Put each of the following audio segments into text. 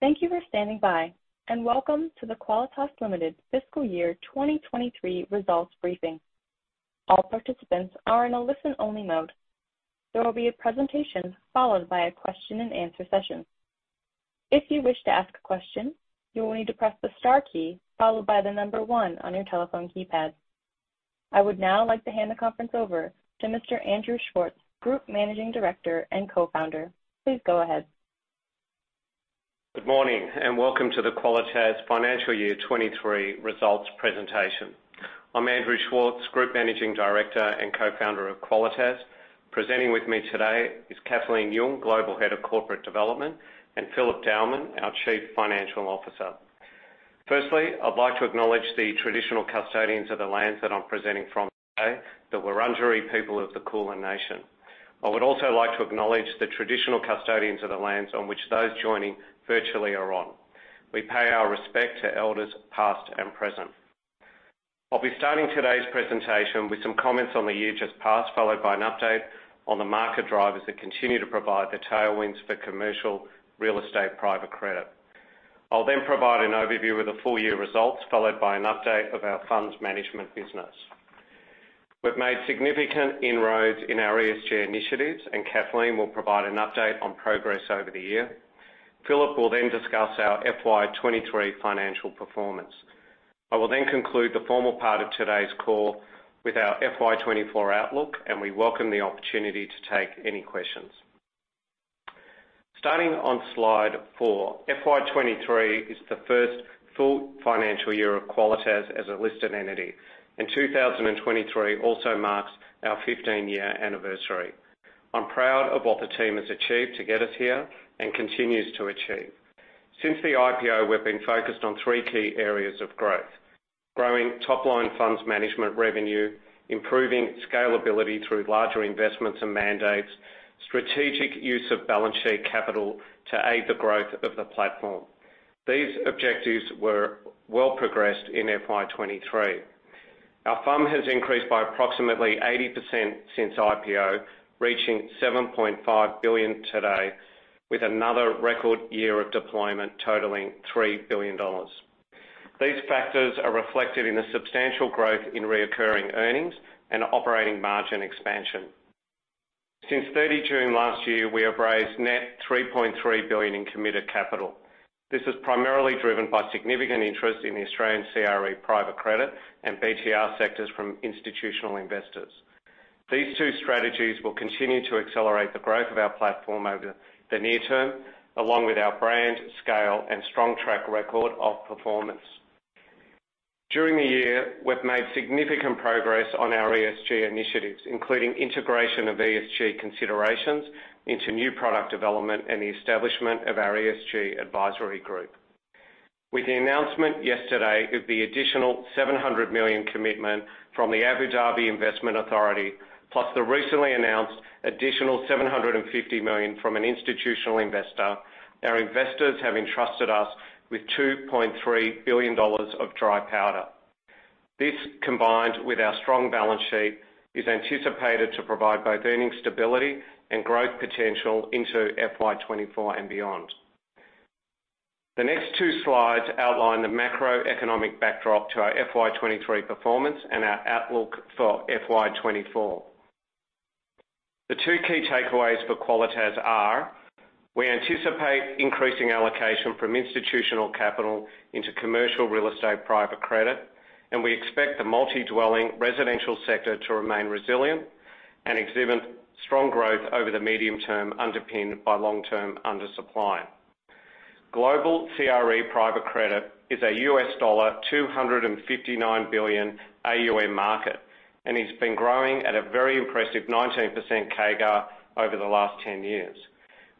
Thank you for standing by, and welcome to the Qualitas Limited Fiscal Year 2023 results briefing. All participants are in a listen-only mode. There will be a presentation, followed by a question-and-answer session. If you wish to ask a question, you will need to press the star key followed by the number one on your telephone keypad. I would now like to hand the conference over to Mr. Andrew Schwartz, Group Managing Director and Co-founder. Please go ahead. Good morning, welcome to the Qualitas financial year 2023 results presentation. I'm Andrew Schwartz, Group Managing Director and Co-founder of Qualitas. Presenting with me today is Kathleen Yeung, Global Head of Corporate Development, and Philip Dowman, our Chief Financial Officer. Firstly, I'd like to acknowledge the traditional custodians of the lands that I'm presenting from today, the Wurundjeri people of the Kulin nation. I would also like to acknowledge the traditional custodians of the lands on which those joining virtually are on. We pay our respect to elders, past and present. I'll be starting today's presentation with some comments on the year just passed, followed by an update on the market drivers that continue to provide the tailwinds for commercial real estate private credit. I'll provide an overview of the full year results, followed by an update of our funds management business. We've made significant inroads in our ESG initiatives. Kathleen will provide an update on progress over the year. Philip will discuss our FY 2023 financial performance. I will conclude the formal part of today's call with our FY 2024 outlook. We welcome the opportunity to take any questions. Starting on slide four, FY 2023 is the first full financial year of Qualitas as a listed entity. 2023 also marks our 15-year anniversary. I'm proud of what the team has achieved to get us here and continues to achieve. Since the IPO, we've been focused on three key areas of growth: growing top-line funds management revenue, improving scalability through larger investments and mandates, strategic use of balance sheet capital to aid the growth of the platform. These objectives were well progressed in FY 2023. Our FUM has increased by approximately 80% since IPO, reaching 7.5 billion today, with another record year of deployment totaling 3 billion dollars. These factors are reflected in the substantial growth in recurring earnings and operating margin expansion. Since June 30 last year, we have raised net 3.3 billion in committed capital. This is primarily driven by significant interest in the Australian CRE private credit and BTR sectors from institutional investors. These two strategies will continue to accelerate the growth of our platform over the near term, along with our brand, scale, and strong track record of performance. During the year, we've made significant progress on our ESG initiatives, including integration of ESG considerations into new product development and the establishment of our ESG advisory group. With the announcement yesterday of the additional 700 million commitment from the Abu Dhabi Investment Authority, plus the recently announced additional 750 million from an institutional investor, our investors have entrusted us with 2.3 billion dollars of dry powder. This, combined with our strong balance sheet, is anticipated to provide both earning stability and growth potential into FY 2024 and beyond. The next two slides outline the macroeconomic backdrop to our FY 2023 performance and our outlook for FY 2024. The two key takeaways for Qualitas are: we anticipate increasing allocation from institutional capital into commercial real estate, private credit, and we expect the multi-dwelling residential sector to remain resilient and exhibit strong growth over the medium term, underpinned by long-term undersupply. Global CRE private credit is a $259 billion AUM market and has been growing at a very impressive 19% CAGR over the last 10 years.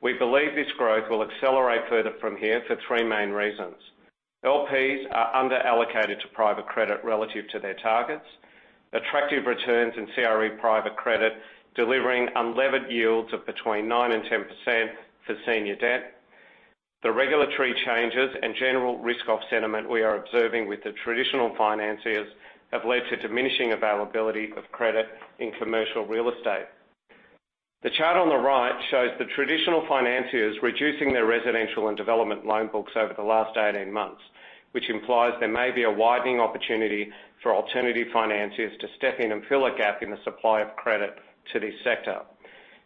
We believe this growth will accelerate further from here for three main reasons. LPs are under-allocated to private credit relative to their targets. Attractive returns in CRE private credit, delivering unlevered yields of between 9% and 10% for senior debt. The regulatory changes and general risk-off sentiment we are observing with the traditional financiers have led to diminishing availability of credit in commercial real estate. The chart on the right shows the traditional financiers reducing their residential and development loan books over the last 18 months, which implies there may be a widening opportunity for alternative financiers to step in and fill a gap in the supply of credit to this sector.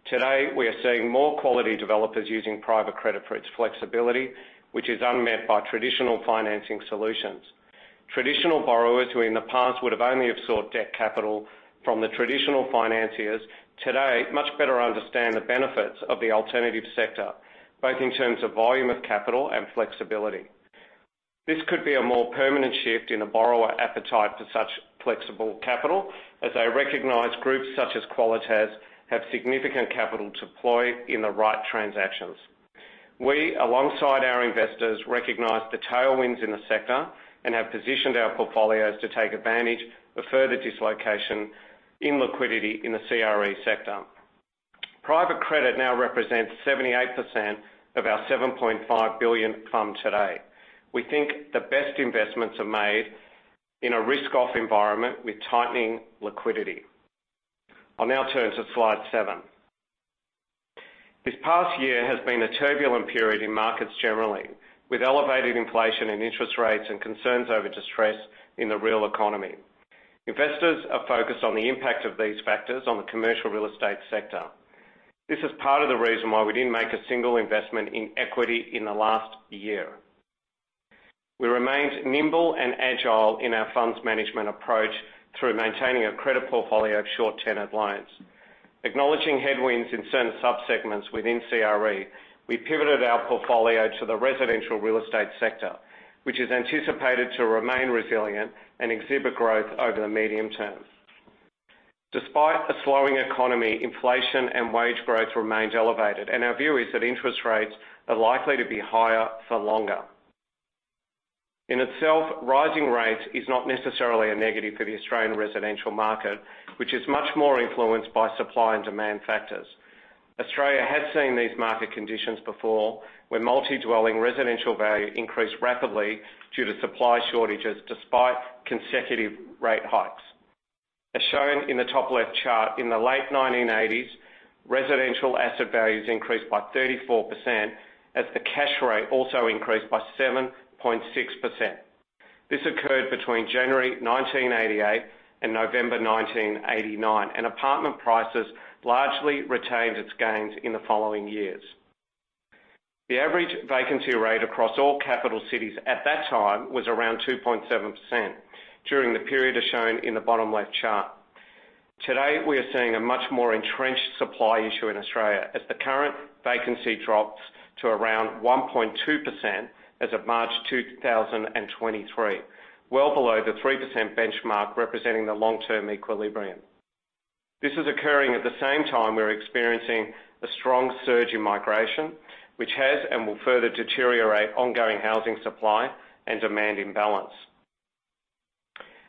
Today, we are seeing more quality developers using private credit for its flexibility, which is unmet by traditional financing solutions. Traditional borrowers, who in the past would have only have sought debt capital from the traditional financiers, today, much better understand the benefits of the alternative sector, both in terms of volume of capital and flexibility. This could be a more permanent shift in the borrower appetite for such flexible capital, as they recognize groups such as Qualitas have significant capital to deploy in the right transactions. We, alongside our investors, recognize the tailwinds in the sector and have positioned our portfolios to take advantage of further dislocation in liquidity in the CRE sector. Private credit now represents 78% of our AUD 7.5 billion FUM today. We think the best investments are made in a risk-off environment with tightening liquidity. I'll now turn to slide seven. This past year has been a turbulent period in markets generally, with elevated inflation and interest rates and concerns over distress in the real economy. Investors are focused on the impact of these factors on the commercial real estate sector. This is part of the reason why we didn't make a single investment in equity in the last year. We remained nimble and agile in our funds management approach through maintaining a credit portfolio of short-tenured loans. Acknowledging headwinds in certain sub-segments within CRE, we pivoted our portfolio to the residential real estate sector, which is anticipated to remain resilient and exhibit growth over the medium term. Despite a slowing economy, inflation and wage growth remains elevated, and our view is that interest rates are likely to be higher for longer. In itself, rising rates is not necessarily a negative for the Australian residential market, which is much more influenced by supply and demand factors. Australia has seen these market conditions before, where multi-dwelling residential value increased rapidly due to supply shortages, despite consecutive rate hikes. As shown in the top left chart, in the late 1980s, residential asset values increased by 34%, as the cash rate also increased by 7.6%. This occurred between January 1988 and November 1989. Apartment prices largely retained its gains in the following years. The average vacancy rate across all capital cities at that time was around 2.7% during the period as shown in the bottom left chart. Today, we are seeing a much more entrenched supply issue in Australia, as the current vacancy drops to around 1.2% as of March 2023, well below the 3% benchmark, representing the long-term equilibrium. This is occurring at the same time we're experiencing a strong surge in migration, which has and will further deteriorate ongoing housing supply and demand imbalance.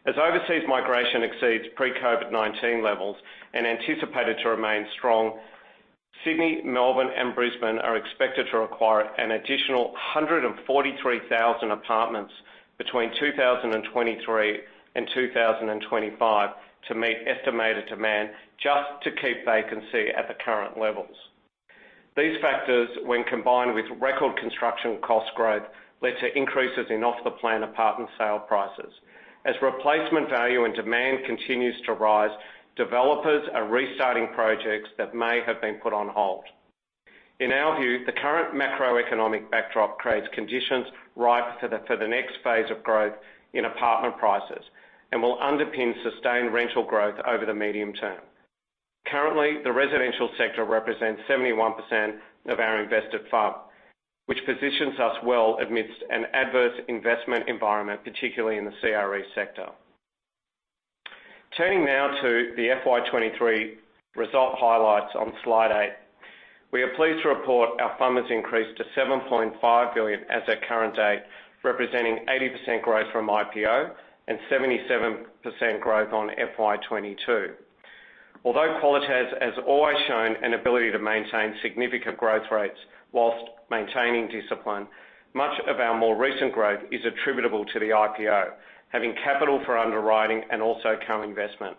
As overseas migration exceeds pre-COVID-19 levels and anticipated to remain strong, Sydney, Melbourne, and Brisbane are expected to require an additional 143,000 apartments between 2023 and 2025 to meet estimated demand, just to keep vacancy at the current levels. These factors, when combined with record construction cost growth, led to increases in off-the-plan apartment sale prices. As replacement value and demand continues to rise, developers are restarting projects that may have been put on hold. In our view, the current macroeconomic backdrop creates conditions ripe for the next phase of growth in apartment prices and will underpin sustained rental growth over the medium term. Currently, the residential sector represents 71% of our invested fund, which positions us well amidst an adverse investment environment, particularly in the CRE sector. Turning now to the FY 2023 result highlights on Slide eight. We are pleased to report our fund has increased to 7.5 billion as at current date, representing 80% growth from IPO and 77% growth on FY 2022. Although Qualitas has always shown an ability to maintain significant growth rates while maintaining discipline, much of our more recent growth is attributable to the IPO, having capital for underwriting and also co-investment.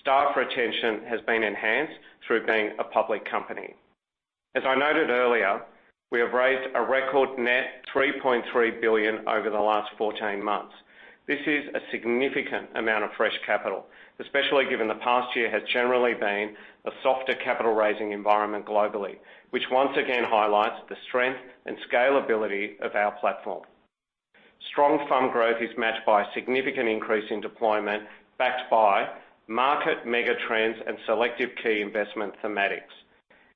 Staff retention has been enhanced through being a public company. As I noted earlier, we have raised a record net 3.3 billion over the last 14 months. This is a significant amount of fresh capital, especially given the past year has generally been a softer capital-raising environment globally, which once again highlights the strength and scalability of our platform. Strong fund growth is matched by a significant increase in deployment, backed by market megatrends and selective key investment thematics.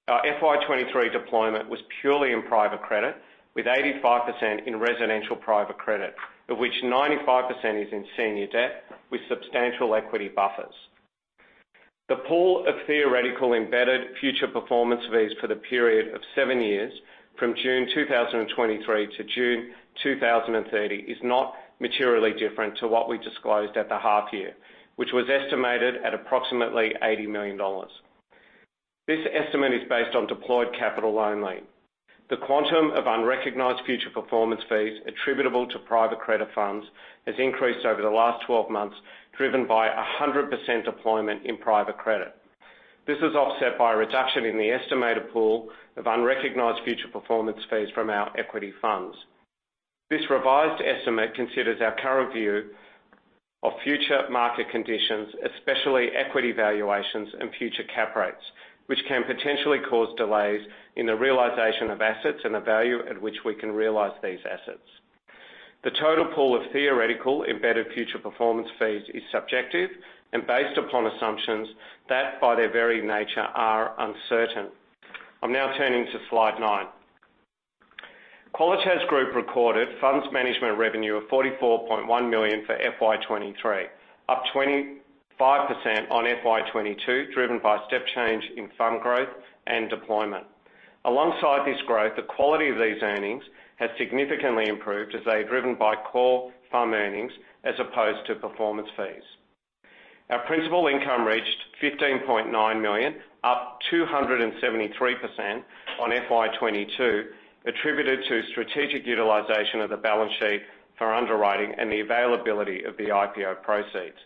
Our FY 2023 deployment was purely in private credit, with 85% in residential private credit, of which 95% is in senior debt, with substantial equity buffers. The pool of theoretical embedded future performance fees for the period of seven years, from June 2023 to June 2030, is not materially different to what we disclosed at the half year, which was estimated at approximately 80 million dollars. This estimate is based on deployed capital only. The quantum of unrecognized future performance fees attributable to private credit funds has increased over the last 12 months, driven by a 100% deployment in private credit. This is offset by a reduction in the estimated pool of unrecognized future performance fees from our equity funds. This revised estimate considers our current view of future market conditions, especially equity valuations and future cap rates, which can potentially cause delays in the realization of assets and the value at which we can realize these assets. The total pool of theoretical embedded future performance fees is subjective and based upon assumptions that, by their very nature, are uncertain. I'm now turning to slide nine. Qualitas Group recorded funds management revenue of 44.1 million for FY 2023, up 25% on FY 2022, driven by a step change in fund growth and deployment. Alongside this growth, the quality of these earnings has significantly improved, as they are driven by core fund earnings as opposed to performance fees. Our principal income reached 15.9 million, up 273% on FY 2022, attributed to strategic utilization of the balance sheet for underwriting and the availability of the IPO proceeds....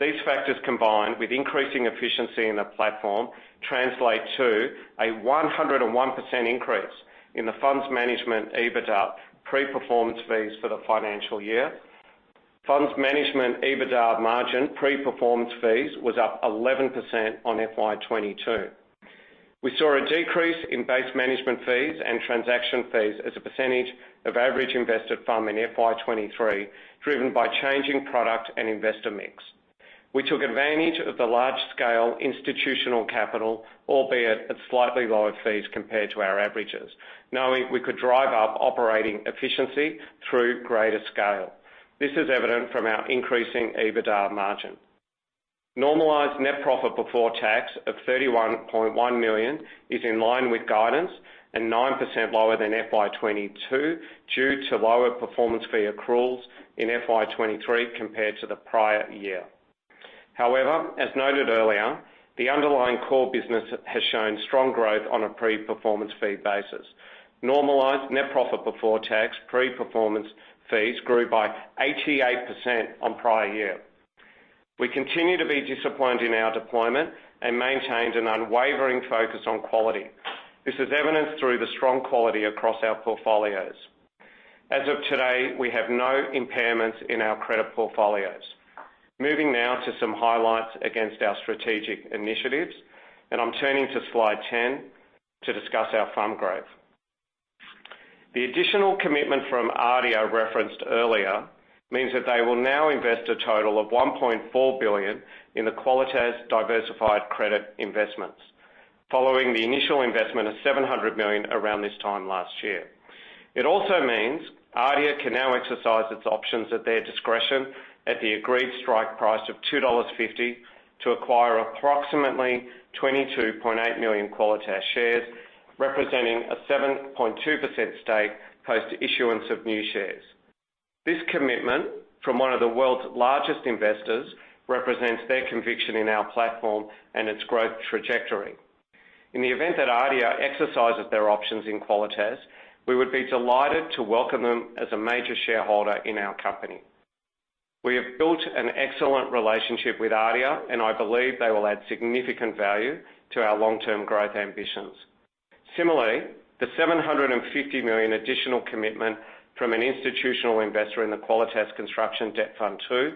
These factors, combined with increasing efficiency in the platform, translate to a 101% increase in the funds management EBITDA, pre-performance fees for the financial year. Funds management EBITDA margin, pre-performance fees, was up 11% on FY 2022. We saw a decrease in base management fees and transaction fees as a percentage of average invested fund in FY 2023, driven by changing product and investor mix. We took advantage of the large-scale institutional capital, albeit at slightly lower fees compared to our averages, knowing we could drive up operating efficiency through greater scale. This is evident from our increasing EBITDA margin. Normalized net profit before tax of 31.1 million is in line with guidance and 9% lower than FY 2022, due to lower performance fee accruals in FY 2023 compared to the prior year. As noted earlier, the underlying core business has shown strong growth on a pre-performance fee basis. Normalized net profit before tax, pre-performance fees, grew by 88% on prior year. We continue to be disciplined in our deployment and maintained an unwavering focus on quality. This is evidenced through the strong quality across our portfolios. As of today, we have no impairments in our credit portfolios. Moving now to some highlights against our strategic initiatives, I'm turning to slide 10 to discuss our fund growth. The additional commitment from ADIA, referenced earlier, means that they will now invest a total of 1.4 billion in the Qualitas Diversified Credit Investments, following the initial investment of 700 million around this time last year. It also means ADIA can now exercise its options at their discretion, at the agreed strike price of 2.50 dollars, to acquire approximately 22.8 million Qualitas shares, representing a 7.2% stake, post-issuance of new shares. This commitment from one of the world's largest investors represents their conviction in our platform and its growth trajectory. In the event that ADIA exercises their options in Qualitas, we would be delighted to welcome them as a major shareholder in our company. We have built an excellent relationship with ADIA, and I believe they will add significant value to our long-term growth ambitions. Similarly, the 750 million additional commitment from an institutional investor in the Qualitas Construction Debt Fund II,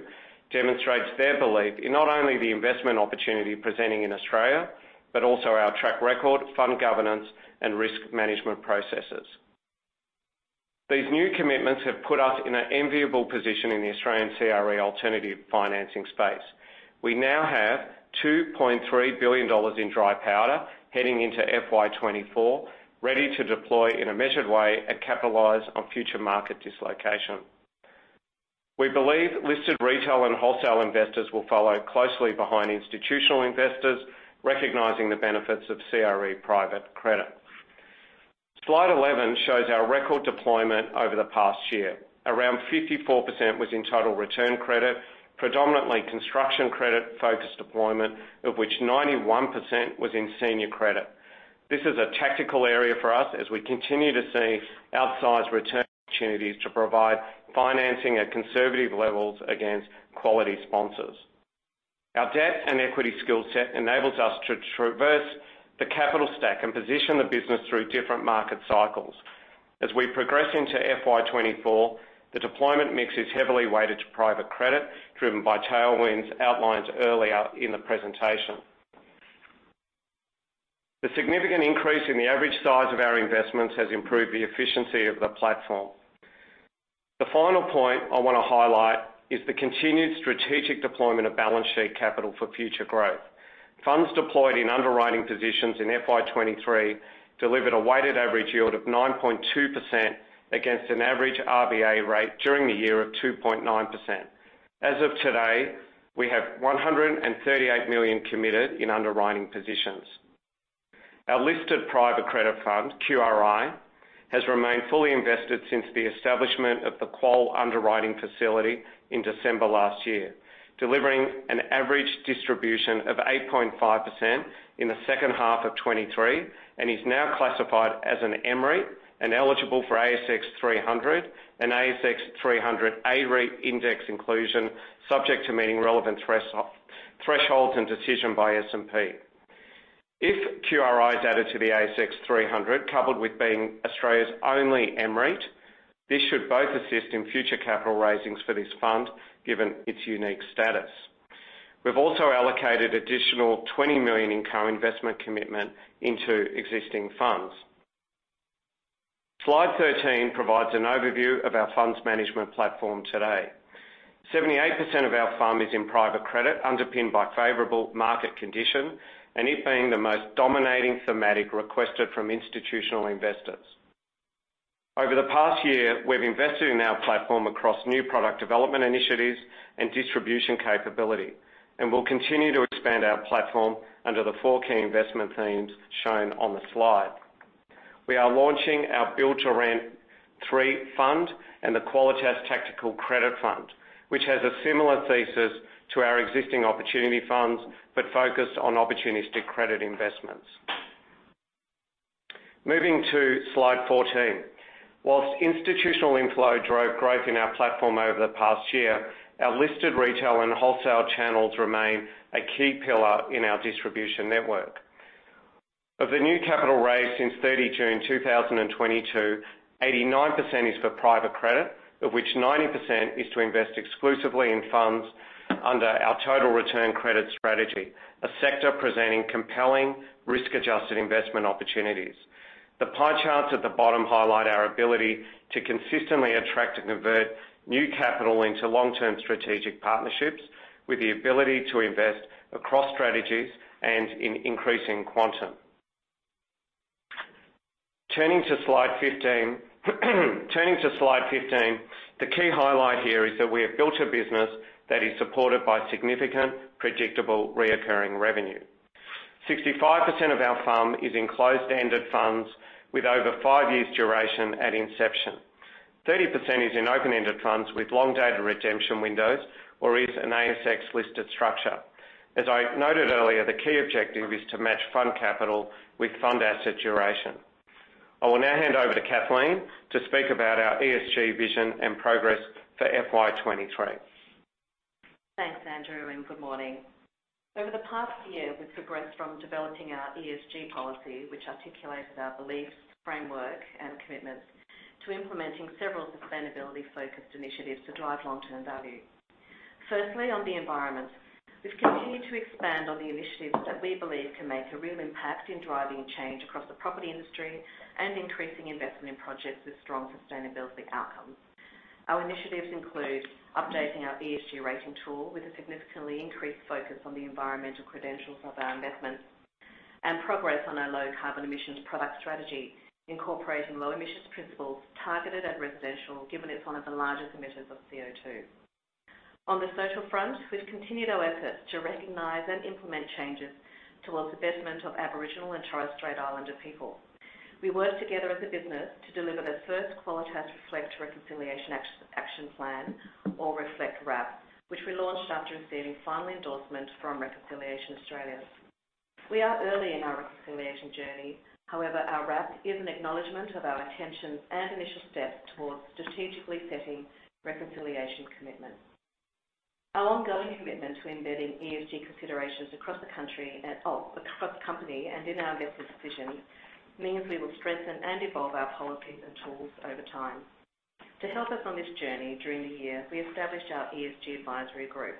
demonstrates their belief in not only the investment opportunity presenting in Australia, but also our track record, fund governance, and risk management processes. These new commitments have put us in an enviable position in the Australian CRE alternative financing space. We now have 2.3 billion dollars in dry powder heading into FY 2024, ready to deploy in a measured way and capitalize on future market dislocation. We believe listed retail and wholesale investors will follow closely behind institutional investors, recognizing the benefits of CRE private credit. Slide 11 shows our record deployment over the past year. Around 54% was in total return credit, predominantly construction credit-focused deployment, of which 91% was in senior credit. This is a tactical area for us, as we continue to see outsized return opportunities to provide financing at conservative levels against quality sponsors. Our debt and equity skill set enables us to traverse the capital stack and position the business through different market cycles. As we progress into FY 2024, the deployment mix is heavily weighted to private credit, driven by tailwinds outlined earlier in the presentation. The significant increase in the average size of our investments has improved the efficiency of the platform. The final point I want to highlight is the continued strategic deployment of balance sheet capital for future growth. Funds deployed in underwriting positions in FY 2023 delivered a weighted average yield of 9.2% against an average RBA rate during the year of 2.9%. As of today, we have 138 million committed in underwriting positions. Our listed private credit fund, QRI, has remained fully invested since the establishment of the Qualitas underwriting facility in December last year, delivering an average distribution of 8.5% in the second half of 2023, and is now classified as an MREIT and eligible for ASX 300 and ASX 300 A-REIT index inclusion, subject to meeting relevant thresholds and decision by S&P. If QRI is added to the ASX 300, coupled with being Australia's only MREIT, this should both assist in future capital raisings for this fund, given its unique status. We've also allocated additional 20 million in co-investment commitment into existing funds. Slide 13 provides an overview of our funds management platform today. 78% of our fund is in private credit, underpinned by favorable market conditions, and it being the most dominating thematic requested from institutional investors. Over the past year, we've invested in our platform across new product development initiatives and distribution capability, and we'll continue to expand our platform under the four key investment themes shown on the slide. We are launching our Build-to-Rent three fund and the Qualitas Tactical Credit Fund, which has a similar thesis to our existing opportunity funds, but focused on opportunistic credit investments.... Moving to slide 14. Whilst institutional inflow drove growth in our platform over the past year, our listed retail and wholesale channels remain a key pillar in our distribution network. Of the new capital raised since 30 June 2022, 89% is for private credit, of which 90% is to invest exclusively in funds under our total return credit strategy, a sector presenting compelling risk-adjusted investment opportunities. The pie charts at the bottom highlight our ability to consistently attract and convert new capital into long-term strategic partnerships, with the ability to invest across strategies and in increasing quantum. Turning to slide 15. Turning to slide 15, the key highlight here is that we have built a business that is supported by significant, predictable, reoccurring revenue. 65% of our FUM is in closed-ended funds with over five years duration at inception. 30% is in open-ended funds with long-dated redemption windows, or is an ASX-listed structure. As I noted earlier, the key objective is to match fund capital with fund asset duration. I will now hand over to Kathleen to speak about our ESG vision and progress for FY 2023. Thanks, Andrew, and good morning. Over the past year, we've progressed from developing our ESG policy, which articulates our beliefs, framework, and commitments, to implementing several sustainability-focused initiatives to drive Long-Term value. Firstly, on the environment, we've continued to expand on the initiatives that we believe can make a real impact in driving change across the property industry and increasing investment in projects with strong sustainability outcomes. Our initiatives include updating our ESG rating tool with a significantly increased focus on the environmental credentials of our investments, and progress on our low carbon emissions product strategy, incorporating low emissions principles targeted at residential, given it's one of the largest emitters of CO2. On the social front, we've continued our efforts to recognize and implement changes towards the betterment of Aboriginal and Torres Strait Islander people. We worked together as a business to deliver the first Qualitas Reflect Reconciliation Action Plan, or Reflect RAP, which we launched after receiving final endorsement from Reconciliation Australia. We are early in our reconciliation journey. However, our RAP is an acknowledgement of our intentions and initial steps towards strategically setting reconciliation commitments. Our ongoing commitment to embedding ESG considerations across the country and across the company and in our investment decisions, means we will strengthen and evolve our policies and tools over time. To help us on this journey, during the year, we established our ESG advisory group.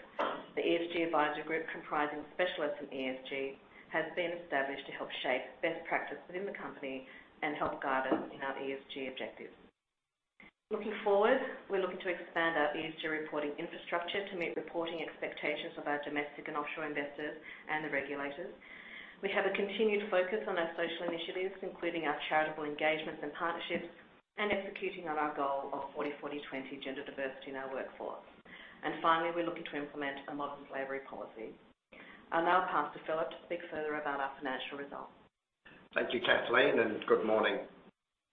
The ESG advisory group, comprising specialists in ESG, has been established to help shape best practice within the company and help guide us in our ESG objectives. Looking forward, we're looking to expand our ESG reporting infrastructure to meet reporting expectations of our domestic and offshore investors and the regulators. We have a continued focus on our social initiatives, including our charitable engagements and partnerships, and executing on our goal of 40/40/20 gender diversity in our workforce. Finally, we're looking to implement a Modern Slavery Policy. I'll now pass to Philip to speak further about our financial results. Thank you, Kathleen Yeung. Good morning.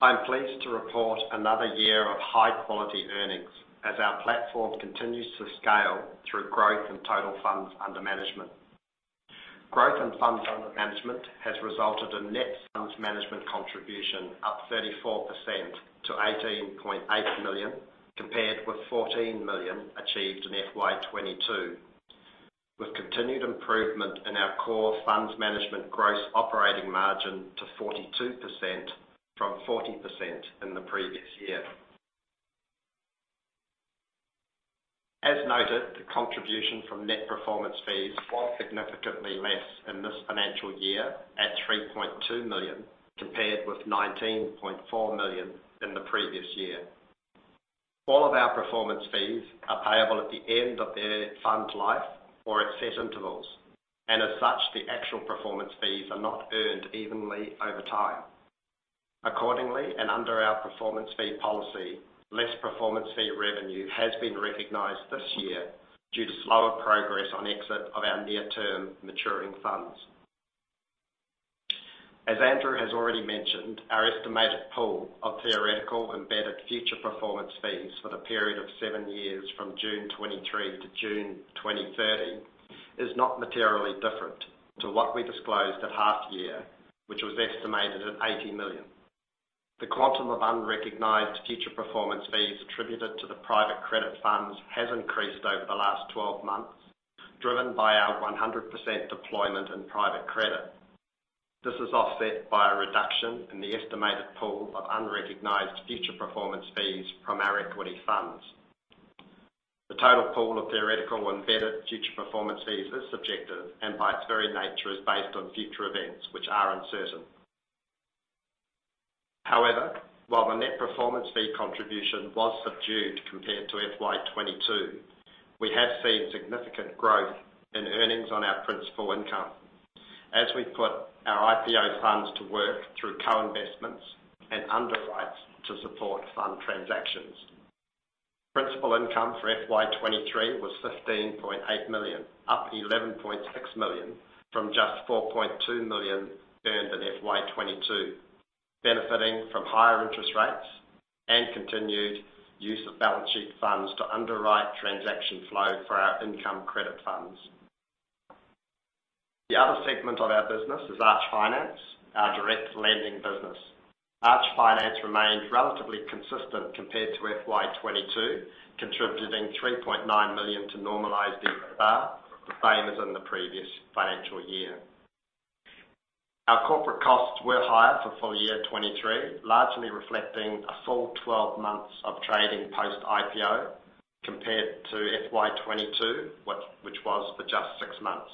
I'm pleased to report another year of high-quality earnings as our platform continues to scale through growth in total funds under management. Growth in funds under management has resulted in net funds management contribution up 34% to 18.8 million, compared with 14 million achieved in FY 2022, with continued improvement in our core funds management gross operating margin to 42% from 40% in the previous year. As noted, the contribution from net performance fees was significantly less in this financial year, at 3.2 million, compared with 19.4 million in the previous year. All of our performance fees are payable at the end of their fund's life or at set intervals. As such, the actual performance fees are not earned evenly over time. Accordingly, and under our performance fee policy, less performance fee revenue has been recognized this year due to slower progress on exit of our near-term maturing funds. As Andrew has already mentioned, our estimated pool of theoretical embedded future performance fees for the period of seven years, from June 2023 to June 2030, is not materially different to what we disclosed at half year, which was estimated at 80 million. The quantum of unrecognized future performance fees attributed to the private credit funds has increased over the last 12 months, driven by our 100% deployment in private credit. This is offset by a reduction in the estimated pool of unrecognized future performance fees from our equity funds. The total pool of theoretical embedded future performance fees is subjective and, by its very nature, is based on future events, which are uncertain. However, while the net performance fee contribution was subdued compared to FY 2022, we have seen significant growth in earnings on our principal income as we put our IPO funds to work through co-investments and underwrites to support fund transactions. Principal income for FY 2023 was 15.8 million, up 11.6 million from just 4.2 million earned in FY 2022, benefiting from higher interest rates and continued use of balance sheet funds to underwrite transaction flow for our income credit funds. The other segment of our business is Arch Finance, our direct lending business. Arch Finance remains relatively consistent compared to FY 2022, contributing 3.9 million to normalized EBITDA, the same as in the previous financial year. Our corporate costs were higher for full year 2023, largely reflecting a full 12 months of trading post IPO, compared to FY 2022, which was for just 6 months.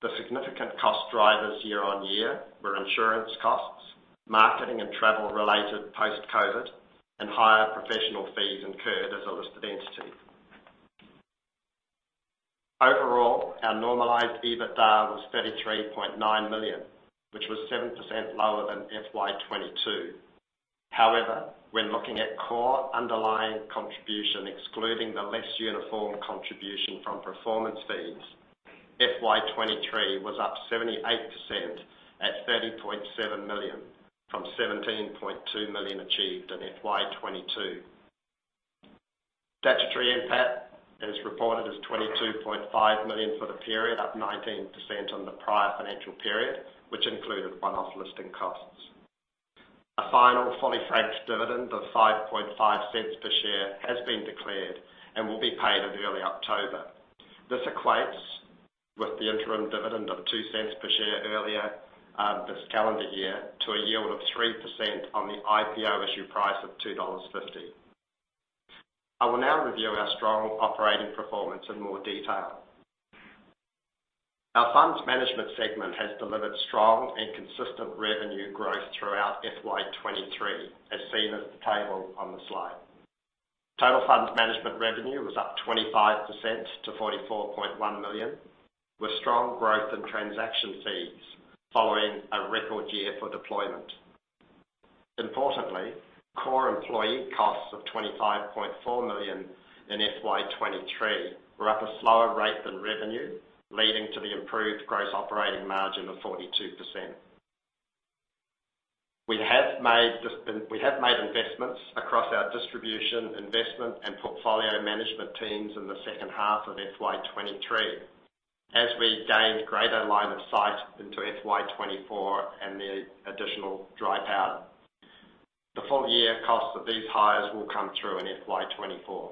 The significant cost drivers year-over-year were insurance costs, marketing and travel related post-COVID, and higher professional fees incurred as a listed entity. Overall, our normalized EBITDA was 33.9 million, which was 7% lower than FY 2022. When looking at core underlying contribution, excluding the less uniform contribution from performance fees, FY 2023 was up 78% at 30.7 million, from 17.2 million achieved in FY 2022. Statutory NPAT is reported as 22.5 million for the period, up 19% on the prior financial period, which included one-off listing costs. A final fully franked dividend of 0.055 per share has been declared, and will be paid in early October. This equates with the interim dividend of 0.02 per share earlier, this calendar year, to a yield of 3% on the IPO issue price of 2.50 dollars. I will now review our strong operating performance in more detail. Our funds management segment has delivered strong and consistent revenue growth throughout FY 2023, as seen as the table on the slide. Total funds management revenue was up 25% to 44.1 million, with strong growth in transaction fees following a record year for deployment. Importantly, core employee costs of 25.4 million in FY 2023 were up a slower rate than revenue, leading to the improved gross operating margin of 42%. We have made investments across our distribution, investment, and portfolio management teams in the second half of FY 2023, as we gained greater line of sight into FY 2024 and the additional dry powder. The full year costs of these hires will come through in FY 2024.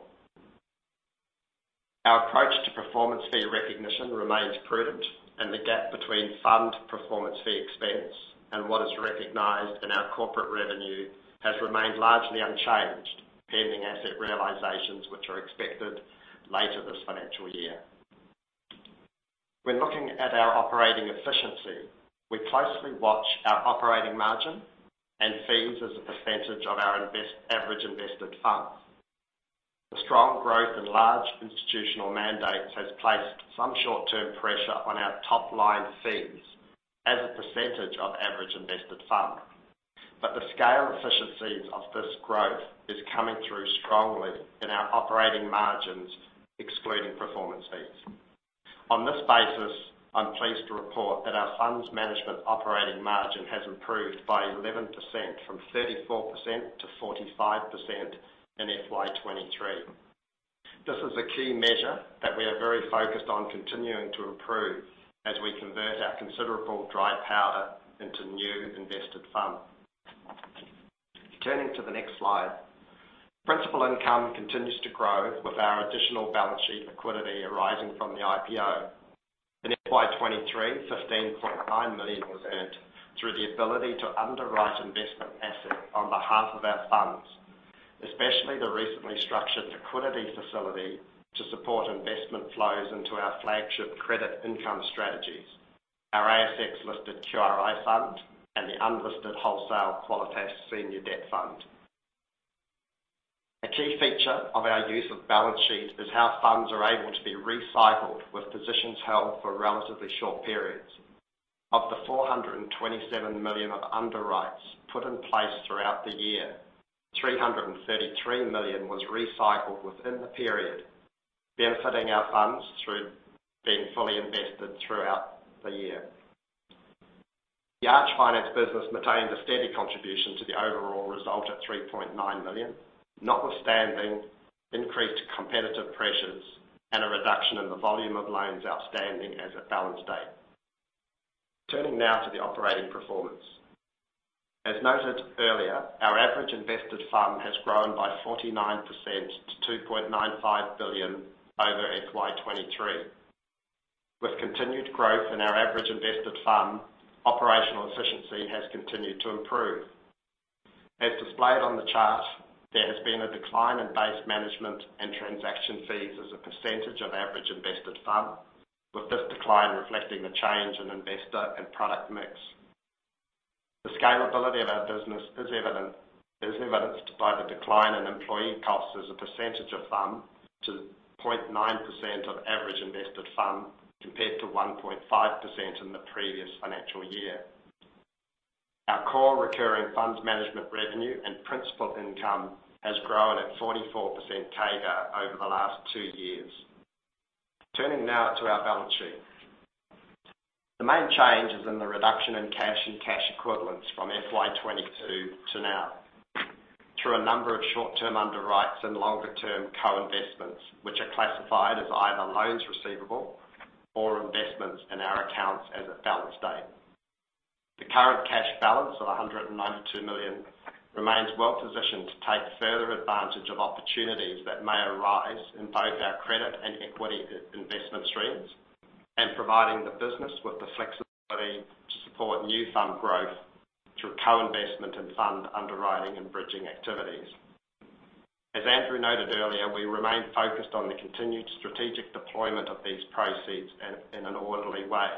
Our approach to performance fee recognition remains prudent, and the gap between fund performance fee expense and what is recognized in our corporate revenue has remained largely unchanged, pending asset realizations, which are expected later this financial year. When looking at our operating efficiency, we closely watch our operating margin and fees as a percentage of our average invested funds. The strong growth in large institutional mandates has placed some short-term pressure on our top-line fees as a percentage of average invested fund. The scale efficiencies of this growth is coming through strongly in our operating margins, excluding performance fees. On this basis, I'm pleased to report that our funds management operating margin has improved by 11%, from 34%-45% in FY 2023. This is a key measure that we are very focused on continuing to improve as we convert our considerable dry powder into new invested funds. Turning to the next slide, principal income continues to grow with our additional balance sheet liquidity arising from the IPO. In FY 2023, 15.9 million was earned through the ability to underwrite investment assets on behalf of our funds, especially the recently structured liquidity facility to support investment flows into our flagship credit income strategies, our ASX-listed QRI fund, and the unlisted wholesale Qualitas Senior Debt Fund. A key feature of our use of balance sheet is how funds are able to be recycled with positions held for relatively short periods. Of the 427 million of underwrites put in place throughout the year, 333 million was recycled within the period, benefiting our funds through being fully invested throughout the year. The Arch Finance business maintained a steady contribution to the overall result at 3.9 million, notwithstanding increased competitive pressures and a reduction in the volume of loans outstanding as at balance date. Turning now to the operating performance. As noted earlier, our average invested fund has grown by 49% to 2.95 billion over FY 2023. With continued growth in our average invested fund, operational efficiency has continued to improve. As displayed on the chart, there has been a decline in base management and transaction fees as a percentage of average invested fund, with this decline reflecting the change in investor and product mix. The scalability of our business is evidenced by the decline in employee costs as a percentage of fund to 0.9% of average invested fund, compared to 1.5% in the previous financial year. Our core recurring funds management revenue and principal income has grown at 44% CAGR over the last two years. Turning now to our balance sheet. The main change is in the reduction in cash and cash equivalents from FY 2022 to now through a number of short-term underwrites and longer-term co-investments, which are classified as either loans receivable or investments in our accounts as a balance date. The current cash balance of 192 million remains well positioned to take further advantage of opportunities that may arise in both our credit and equity investment streams, and providing the business with the flexibility to support new fund growth through co-investment and fund underwriting and bridging activities. As Andrew noted earlier, we remain focused on the continued strategic deployment of these proceeds in an orderly way.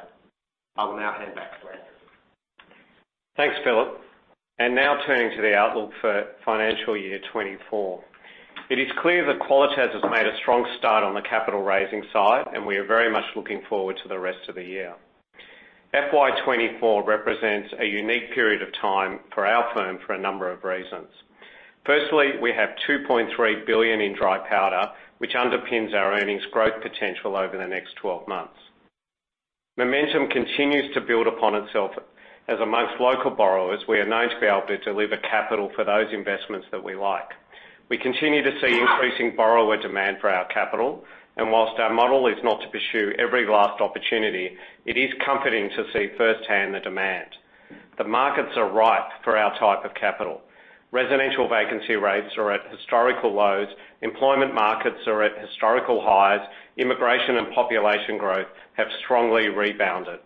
I will now hand back to Andrew. Thanks, Philip. Now turning to the outlook for financial year 2024. It is clear that Qualitas has made a strong start on the capital raising side, and we are very much looking forward to the rest of the year. FY 2024 represents a unique period of time for our firm for a number of reasons. Firstly, we have 2.3 billion in dry powder, which underpins our earnings growth potential over the next 12 months. Momentum continues to build upon itself, as amongst local borrowers, we are known to be able to deliver capital for those investments that we like. We continue to see increasing borrower demand for our capital, and whilst our model is not to pursue every last opportunity, it is comforting to see firsthand the demand. The markets are ripe for our type of capital. Residential vacancy rates are at historical lows, employment markets are at historical highs, immigration and population growth have strongly rebounded.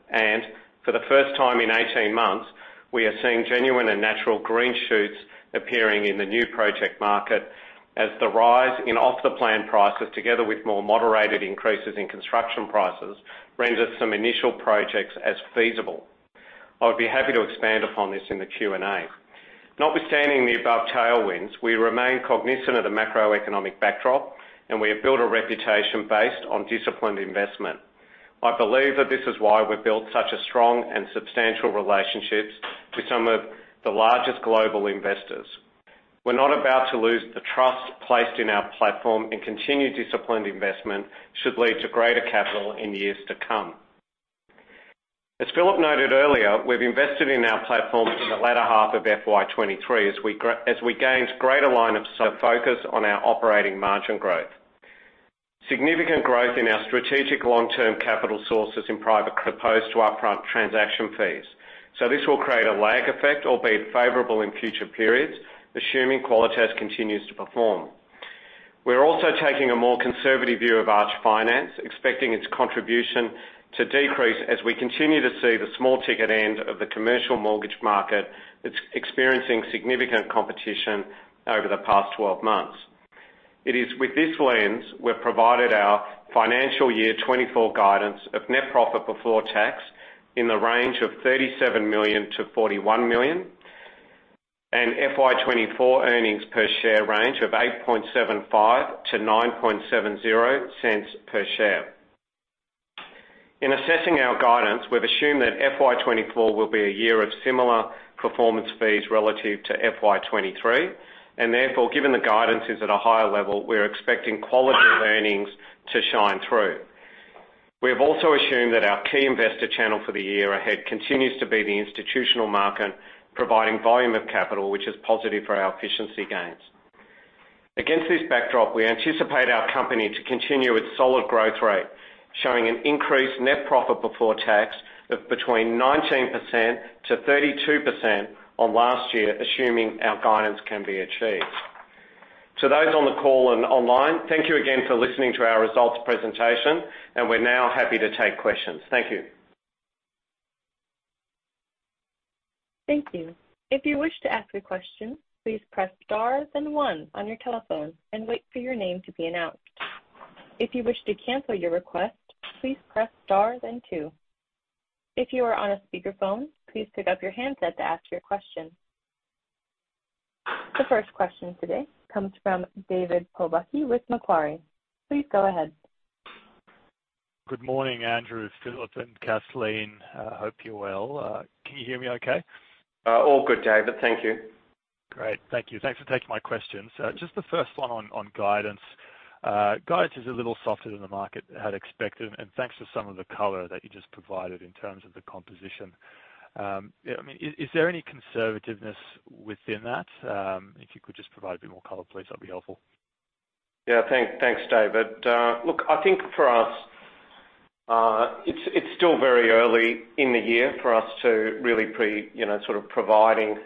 For the first time in 18 months, we are seeing genuine and natural green shoots appearing in the new project market, as the rise in off-the-plan prices, together with more moderated increases in construction prices, renders some initial projects as feasible. I would be happy to expand upon this in the Q&A. Notwithstanding the above tailwinds, we remain cognizant of the macroeconomic backdrop. We have built a reputation based on disciplined investment. I believe that this is why we've built such a strong and substantial relationships to some of the largest global investors. We're not about to lose the trust placed in our platform. Continued disciplined investment should lead to greater capital in years to come. As Philip noted earlier, we've invested in our platform in the latter half of FY 2023, as we as we gained greater line of sight focus on our operating margin growth. Significant growth in our strategic long-term capital sources in private, as opposed to upfront transaction fees. This will create a lag effect, albeit favorable in future periods, assuming Qualitas continues to perform. We're also taking a more conservative view of Arch Finance, expecting its contribution to decrease as we continue to see the small ticket end of the commercial mortgage market that's experiencing significant competition over the past 12 months. It is with this lens, we've provided our financial year 2024 guidance of net profit before tax in the range of 37 million-41 million, and FY 2024 earnings per share range of 0.0875-0.0970 per share. In assessing our guidance, we've assumed that FY 2024 will be a year of similar performance fees relative to FY 2023, and therefore, given the guidance is at a higher level, we're expecting quality earnings to shine through. We have also assumed that our key investor channel for the year ahead continues to be the institutional market, providing volume of capital, which is positive for our efficiency gains. Against this backdrop, we anticipate our company to continue its solid growth rate, showing an increased net profit before tax of between 19%-32% on last year, assuming our guidance can be achieved. To those on the call and online, thank you again for listening to our results presentation. We're now happy to take questions. Thank you. Thank you. If you wish to ask a question, please press star then one on your telephone and wait for your name to be announced. If you wish to cancel your request, please press star then two. If you are on a speakerphone, please pick up your handset to ask your question. The first question today comes from David Pobucky with Macquarie. Please go ahead. Good morning, Andrew, Philip, and Kathleen. Hope you're well. Can you hear me okay? all good, David. Thank you. Great. Thank you. Thanks for taking my question. Just the first one on, on guidance. Guidance is a little softer than the market had expected, and thanks for some of the color that you just provided in terms of the composition. Yeah, I mean, is, is there any conservativeness within that? If you could just provide a bit more color, please, that'd be helpful. Yeah, thank, thanks, David. look, I think for us, it's, it's still very early in the year for us to really pre... You know, sort of providing,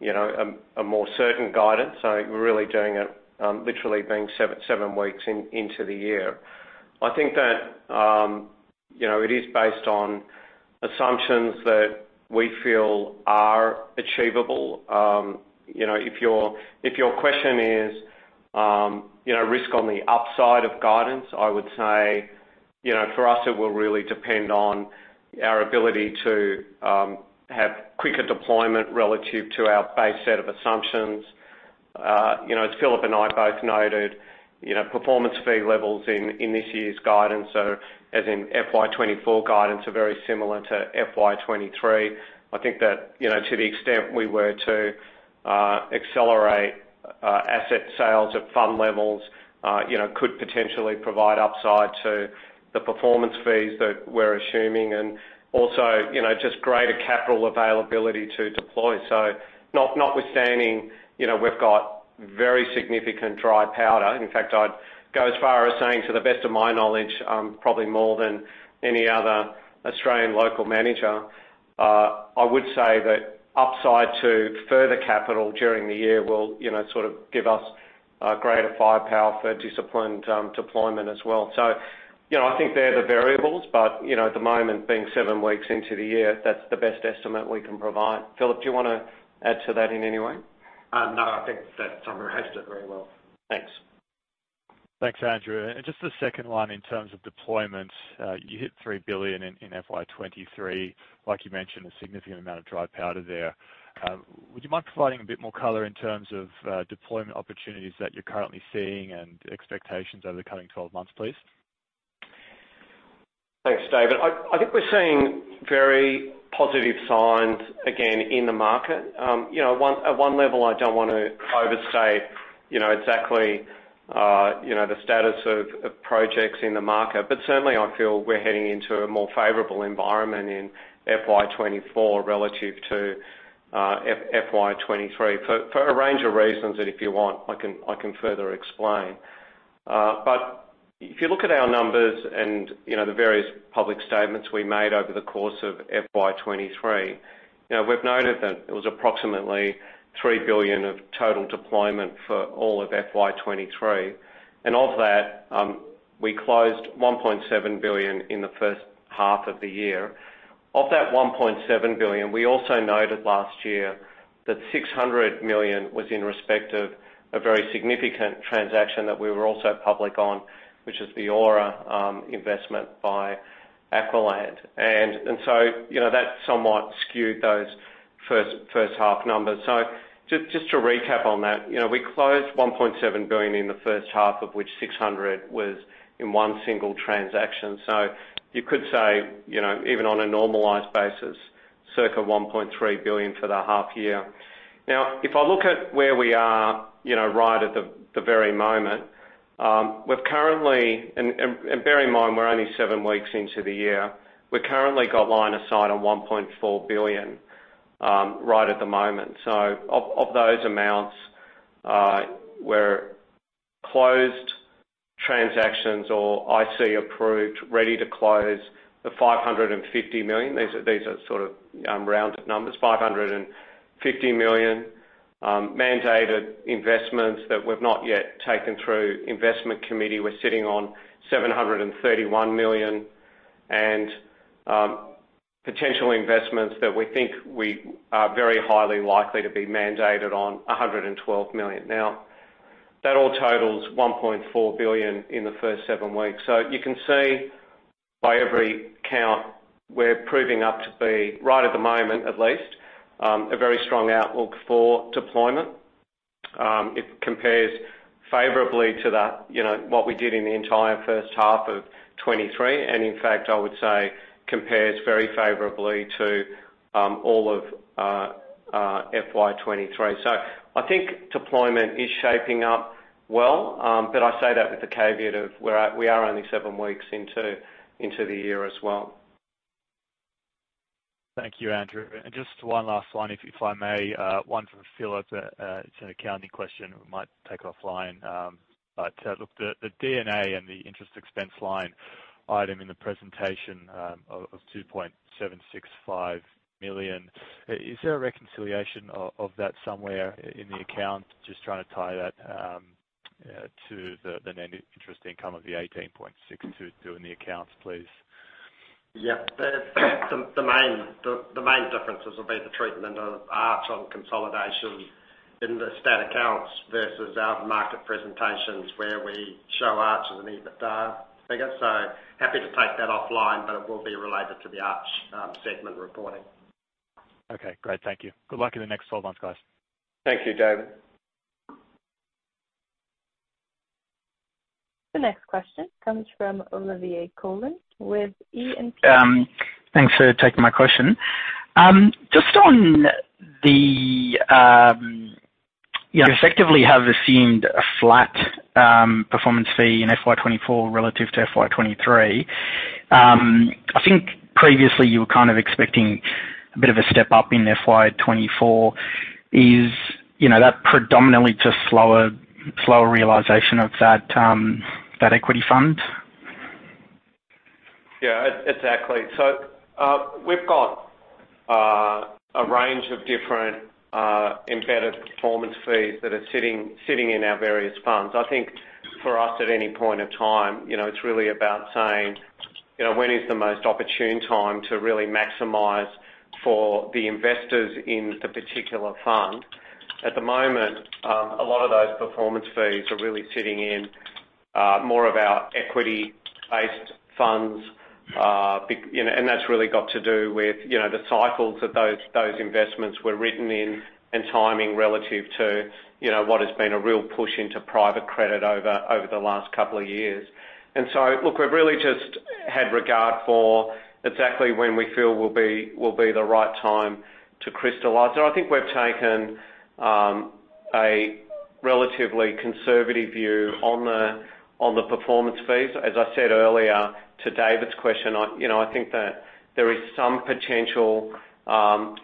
you know, a, a more certain guidance. We're really doing it, literally being 7, 7 weeks in, into the year. I think that, you know, it is based on assumptions that we feel are achievable. You know, if your, if your question is, you know, risk on the upside of guidance, I would say, you know, for us, it will really depend on our ability to have quicker deployment relative to our base set of assumptions. You know, as Philip and I both noted, you know, performance fee levels in, in this year's guidance, so as in FY 2024 guidance, are very similar to FY 2023. I think that, you know, to the extent we were to asset sales at fund levels, you know, could potentially provide upside to the performance fees that we're assuming, and also, you know, just greater capital availability to deploy. So not- notwithstanding, you know, we've got very significant dry powder. In fact, I'd go as far as saying, to the best of my knowledge, probably more than any other Australian local manager. I would say that upside to further capital during the year will, you know, sort of give us greater firepower for disciplined deployment as well. So, you know, I think they're the variables, but, you know, at the moment, being seven weeks into the year, that's the best estimate we can provide. Philip, do you wanna add to that in any way? No, I think that summary has it very well. Thanks. Thanks, Andrew. Just the second one, in terms of deployments, you hit 3 billion in FY 2023. Like you mentioned, a significant amount of dry powder there. Would you mind providing a bit more color in terms of deployment opportunities that you're currently seeing and expectations over the coming 12 months, please? Thanks, David. I, I think we're seeing very positive signs again in the market. You know, at one level, I don't want to overstate, you know, exactly, you know, the status of, of projects in the market, but certainly I feel we're heading into a more favorable environment in FY 2024 relative to FY 2023, for, for a range of reasons that if you want, I can, I can further explain. If you look at our numbers and, you know, the various public statements we made over the course of FY 2023, you know, we've noted that it was approximately $3 billion of total deployment for all of FY 2023, and of that, we closed $1.7 billion in the first half of the year. Of that 1.7 billion, we also noted last year that 600 million was in respect of a very significant transaction that we were also public on, which is the Aura investment by Aqualand. You know, that somewhat skewed those first, first half numbers. Just, just to recap on that, you know, we closed 1.7 billion in the first half, of which 600 million was in one single transaction. You could say, you know, even on a normalized basis, circa 1.3 billion for the half year. If I look at where we are, you know, right at the very moment, we've currently... bear in mind, we're only seven weeks into the year. We've currently got line of sight on 1.4 billion right at the moment. Of, of those amounts, we're closed transactions or IC approved, ready to close, the 550 million. These are, these are sort of, rounded numbers. 550 million, mandated investments that we've not yet taken through investment committee, we're sitting on 731 million, and potential investments that we think we are very highly likely to be mandated on, 112 million. That all totals 1.4 billion in the first seven weeks. You can see by every count, we're proving up to be, right at the moment at least, a very strong outlook for deployment. It compares favorably to the, you know, what we did in the entire first half of 2023, and in fact, I would say compares very favorably to all of FY 2023. I think deployment is shaping up well, but I say that with the caveat of where we are only seven weeks into the year as well. Thank you, Andrew. Just one last one, if, if I may, one for Philip. It's an accounting question we might take offline. Look, the DNA and the interest expense line item in the presentation of 2.765 million, is there a reconciliation of that somewhere in the account? Just trying to tie that to the net interest income of 18.622 in the accounts, please. Yeah. The main differences will be the treatment of Arch on consolidation in the stat accounts versus our market presentations, where we show Arch as an EBITDA figure. Happy to take that offline, but it will be related to the Arch segment reporting. Okay, great. Thank you. Good luck in the next 12 months, guys. Thank you, David. The next question comes from Olivier Coulon with E&P. Thanks for taking my question. Just on the, you effectively have assumed a flat performance fee in FY 2024 relative to FY 2023. I think previously you were kind of expecting a bit of a step up in FY 2024. Is, you know, that predominantly just slower, slower realization of that, that equity fund? Yeah, exactly. We've got a range of different embedded performance fees that are sitting, sitting in our various funds. I think for us, at any point of time, you know, it's really about saying, you know, when is the most opportune time to really maximize for the investors in the particular fund? At the moment, a lot of those performance fees are really sitting in more of our equity-based funds. You know, that's really got to do with, you know, the cycles that those, those investments were written in and timing relative to, you know, what has been a real push into private credit over, over the last couple of years. Look, we've really just had regard for exactly when we feel will be, will be the right time to crystallize. I think we've taken a relatively conservative view on the, on the performance fees. As I said earlier to David's question, I, you know, I think that there is some potential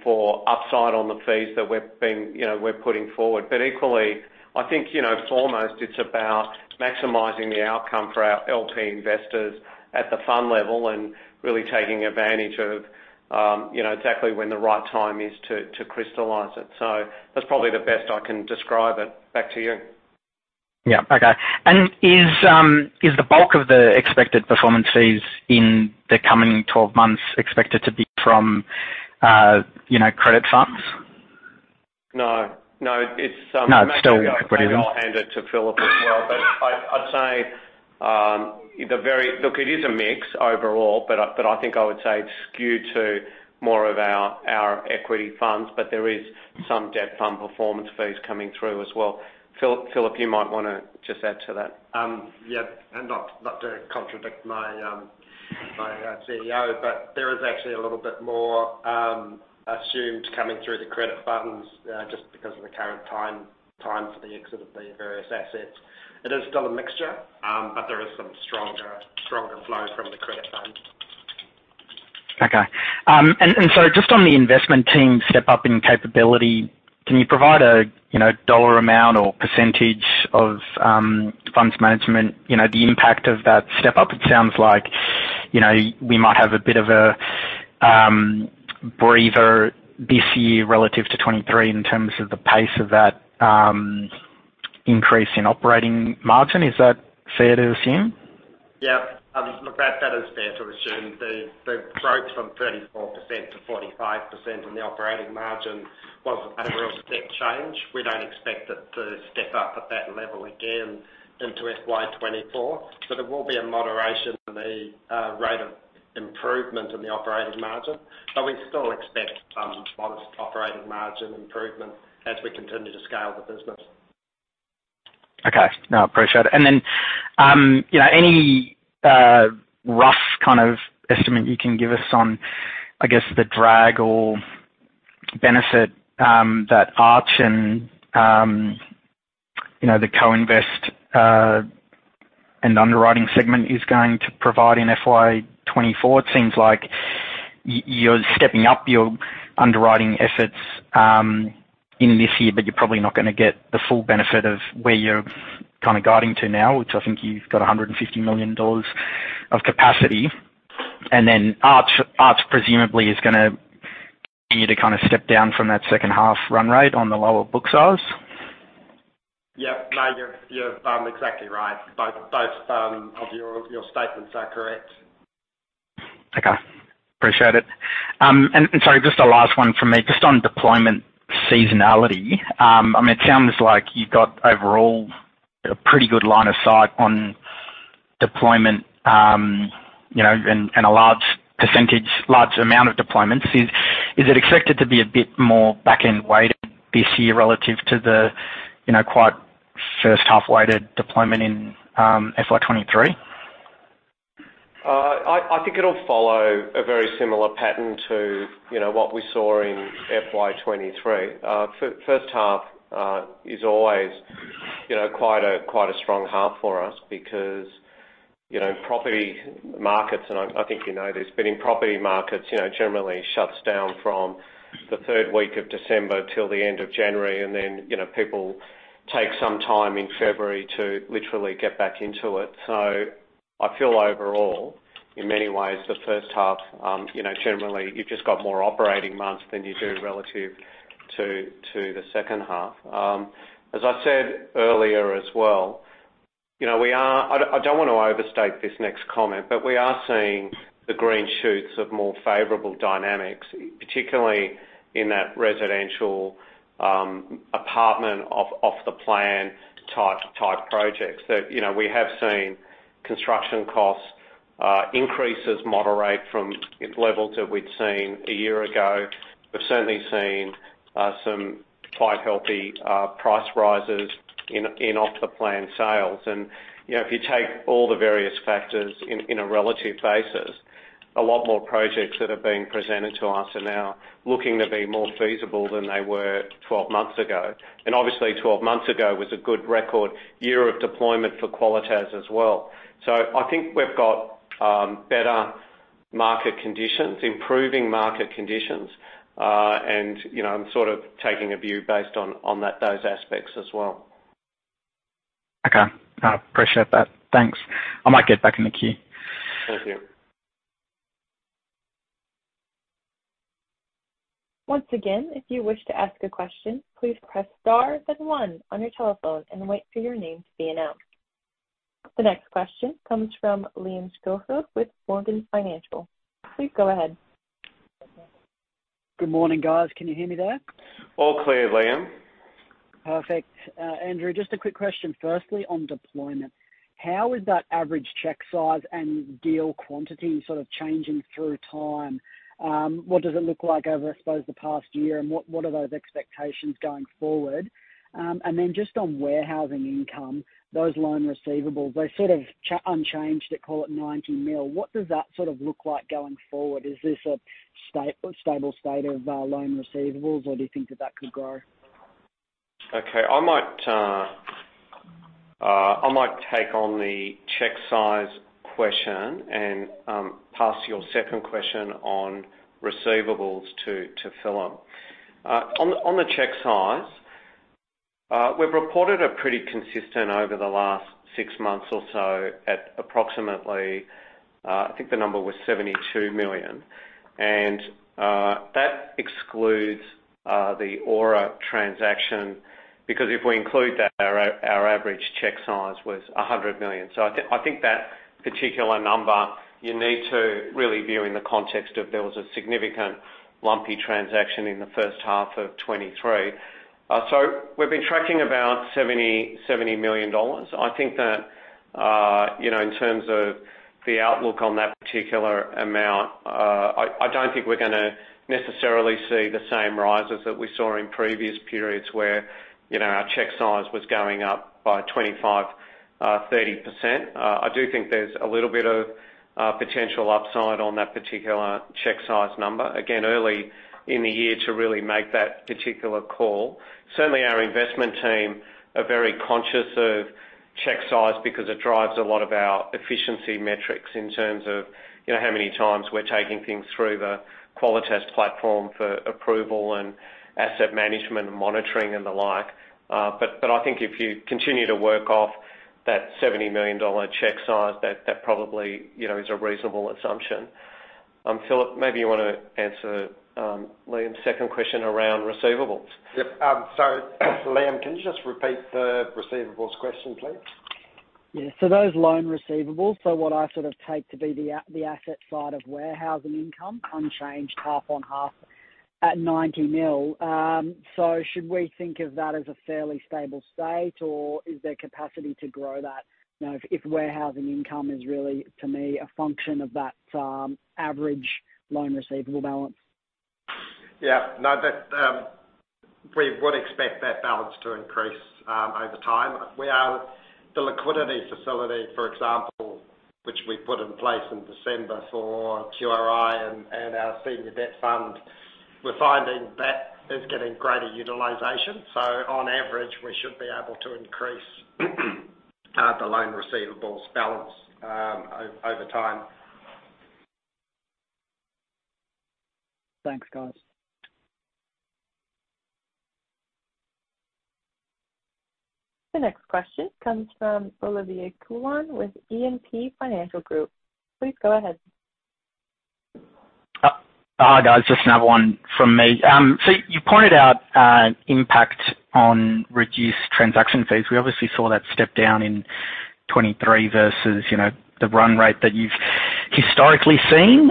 for upside on the fees that we've been, you know, we're putting forward. Equally, I think, you know, foremost, it's about maximizing the outcome for our Long-Term investors at the fund level and really taking advantage of, you know, exactly when the right time is to, to crystallize it. That's probably the best I can describe it. Back to you. Yeah. Okay. Is, is the bulk of the expected performance fees in the coming 12 months expected to be from, you know, credit funds? No, no, it's, No, it's still equity. Maybe I'll hand it to Philip as well. I'd, I'd say, the very... Look, it is a mix overall, but I, but I think I would say it's skewed to more of our, our equity funds, but there is some debt fund performance fees coming through as well. Philip, you might wanna just add to that. Yeah, not, not to contradict my, my CEO, but there is actually a little bit more assumed coming through the credit funds, just because of the current time, time for the exit of the various assets. It is still a mixture, but there is some stronger, stronger flow from the credit funds. Okay. Just on the investment team step up in capability, can you provide a, you know, dollar amount or % of, funds management, you know, the impact of that step up? It sounds like, you know, we might have a bit of a, breather this year relative to 2023 in terms of the pace of that, increase in operating margin. Is that fair to assume? Yeah. Look, that, that is fair to assume. The, the growth from 34%-45% on the operating margin was a real step change. We don't expect it to step up at that level again into FY 2024. There will be a moderation in the rate of improvement in the operating margin. We still expect modest operating margin improvement as we continue to scale the business. Okay. No, appreciate it. You know, any rough kind of estimate you can give us on, I guess, the drag or benefit that Arch and, you know, the co-invest and underwriting segment is going to provide in FY 2024? It seems like you're stepping up your underwriting efforts in this year, but you're probably not gonna get the full benefit of where you're kind of guiding to now, which I think you've got 150 million dollars of capacity. Arch, Arch presumably is gonna need to kind of step down from that second half run rate on the lower book size. Yep. No, you're, you're, exactly right. Both, both, of your, your statements are correct. Okay. Appreciate it. Just a last one for me, just on deployment seasonality. I mean, it sounds like you've got overall a pretty good line of sight on deployment, you know, a large percentage, large amount of deployments. Is it expected to be a bit more back-end weighted this year relative to the, you know, quite first half weighted deployment in FY 2023? I, I think it'll follow a very similar pattern to, you know, what we saw in FY 2023. First half is always, you know, quite a, quite a strong half for us because, you know, property markets, and I, I think you know this, but in property markets, you know, generally shuts down from the 3rd week of December till the end of January, and then, you know, people take some time in February to literally get back into it. I feel overall, in many ways, the first half, you know, generally you've just got more operating months than you do relative to, to the second half. As I said earlier as well, you know, I don't want to overstate this next comment, but we are seeing the green shoots of more favorable dynamics, particularly in that residential, apartment off the plan type projects. That, you know, we have seen construction costs, increases moderate from levels that we'd seen one year ago. We've certainly seen, some quite healthy, price rises in off the plan sales. You know, if you take all the various factors in a relative basis, a lot more projects that are being presented to us are now looking to be more feasible than they were 12 months ago. Obviously, 12 months ago was a good record year of deployment for Qualitas as well. I think we've got better market conditions, improving market conditions, and, you know, I'm sort of taking a view based on, on that- those aspects as well. Okay. I appreciate that. Thanks. I might get back in the queue. Thank you. Once again, if you wish to ask a question, please press star then one on your telephone and wait for your name to be announced. The next question comes from Liam Schofield with Morgans Financial. Please go ahead. Good morning, guys. Can you hear me there? All clear, Liam. Perfect. Andrew, just a quick question, firstly, on deployment. How is that average cheque size and deal quantity sort of changing through time? What does it look like over, I suppose, the past year, and what, what are those expectations going forward? Just on warehousing income, those loan receivables, they're sort of unchanged at, call it 90 million. What does that sort of look like going forward? Is this a stable state of loan receivables, or do you think that that could grow? Okay, I might, I might take on the cheque size question and pass your second question on receivables to Philip. On the cheque size, we've reported a pretty consistent over the last six months or so at approximately, I think the number was 72 million. That excludes the Aura transaction, because if we include that, our average cheque size was 100 million. I think that particular number, you need to really view in the context of there was a significant lumpy transaction in the first half of 2023. We've been tracking about 70 million dollars. I think that, you know, in terms of the outlook on that particular amount, I, I don't think we're gonna necessarily see the same rises that we saw in previous periods where, you know, our cheque size was going up by 25%, 30%. I do think there's a little bit of potential upside on that particular cheque size number. Again, early in the year to really make that particular call. Certainly, our investment team are very conscious of cheque size because it drives a lot of our efficiency metrics in terms of, you know, how many times we're taking things through the Qualitas platform for approval and asset management and monitoring and the like. But I think if you continue to work off that 70 million dollar cheque size, that, that probably, you know, is a reasonable assumption. Philip, maybe you wanna answer Liam's second question around receivables? Yep. Liam, can you just repeat the receivables question, please? Those loan receivables, what I sort of take to be the asset side of warehousing income, unchanged half on half at 90 million. Should we think of that as a fairly stable state, or is there capacity to grow that, you know, if, if warehousing income is really, to me, a function of that average loan receivable balance? Yeah. No, that, we would expect that balance to increase, over time. We are the liquidity facility, for example, which we put in place in December for QRI and, and our Senior Debt Fund, we're finding that is getting greater utilization. On average, we should be able to increase, the loan receivables balance, over time. Thanks, guys. The next question comes from Olivier Coulon with E&P Financial Group. Please go ahead. Hi, guys. Just another one from me. You pointed out impact on reduced transaction fees. We obviously saw that step down in 2023 versus, you know, the run rate that you've historically seen.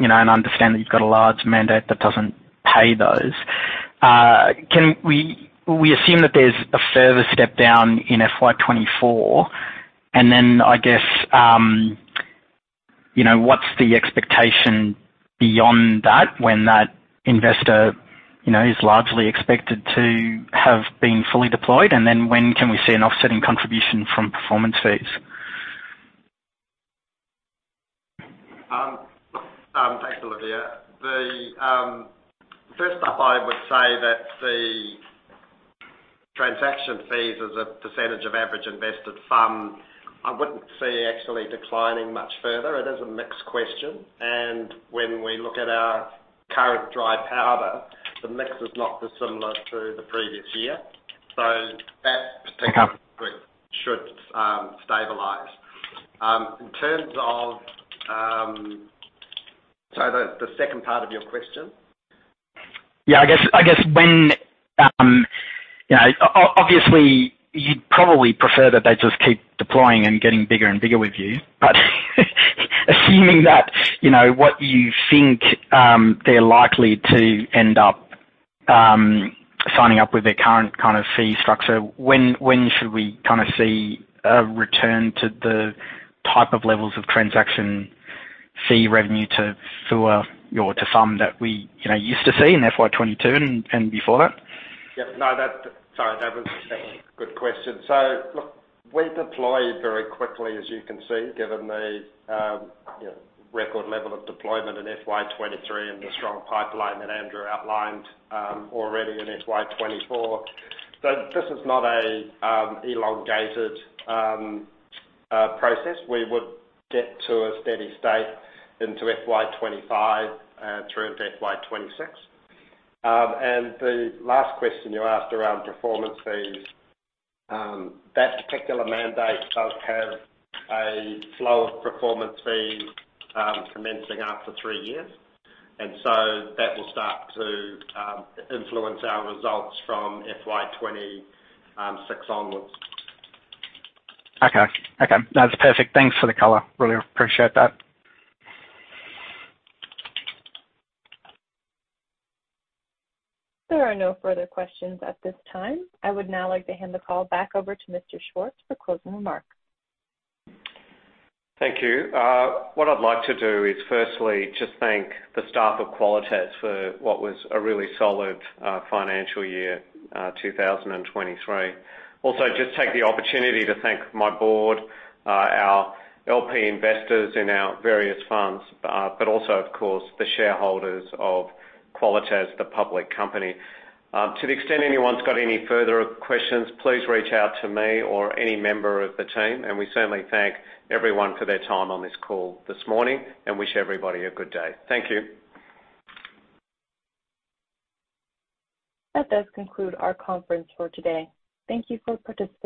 You know, I understand that you've got a large mandate that doesn't pay those. Can we assume that there's a further step down in FY 2024, and then, I guess, you know, what's the expectation beyond that when that investor, you know, is largely expected to have been fully deployed, and then when can we see an offsetting contribution from performance fees? Thanks, Olivier. The first up, I would say that the transaction fees as a percentage of average invested fund, I wouldn't see actually declining much further. It is a mixed question, and when we look at our current dry powder, the mix is not dissimilar to the previous year. That particular should stabilize. In terms of, sorry, the, the second part of your question? Yeah, I guess, I guess when, you know, obviously, you'd probably prefer that they just keep deploying and getting bigger and bigger with you. But, assuming that, you know, what you think, they're likely to end up, signing up with their current kind of fee structure, when, when should we kind of see a return to the type of levels of transaction fee revenue to relative to FUM that we, you know, used to see in FY 2022 and before that? Yep. No, that's. Sorry, that was a good question. Look, we deploy very quickly, as you can see, given the, you know, record level of deployment in FY 2023 and the strong pipeline that Andrew outlined already in FY 2024. This is not a elongated process. We would get to a steady state into FY 2025 through to FY 2026. The last question you asked around performance fees, that particular mandate does have a flow of performance fees commencing after three years, and so that will start to influence our results from FY 2026 onwards. Okay. Okay. That's perfect. Thanks for the color. Really appreciate that. There are no further questions at this time. I would now like to hand the call back over to Mr. Schwartz for closing remarks. Thank you. What I'd like to do is firstly just thank the staff of Qualitas for what was a really solid financial year 2023. Also, just take the opportunity to thank my board, our LP investors in our various funds, but also, of course, the shareholders of Qualitas, the public company. To the extent anyone's got any further questions, please reach out to me or any member of the team, and we certainly thank everyone for their time on this call this morning, and wish everybody a good day. Thank you. That does conclude our conference for today. Thank you for participating.